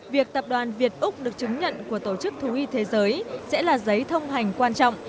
việc tập đoàn việt úc được chứng nhận của tổ chức thú y thế giới sẽ là giấy thông hành quan trọng